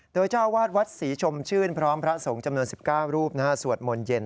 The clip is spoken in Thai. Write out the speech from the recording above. โดยเจ้าวาดวัดศรีชมชื่นพร้อมพระสงฆ์จำนวน๑๙รูปสวดมนต์เย็น